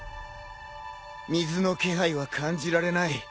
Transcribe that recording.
水の気配は感じられない。